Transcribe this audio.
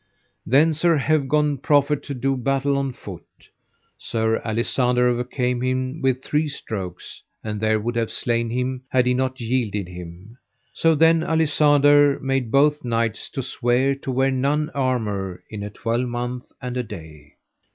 Then Sir Hewgon proffered to do battle on foot. Sir Alisander overcame him with three strokes, and there would have slain him had he not yielded him. So then Alisander made both those knights to swear to wear none armour in a twelvemonth and a day.